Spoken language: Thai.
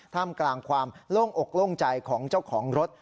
ท่ามกลางความโล่งอกโล่งใจของเจ้าของรถ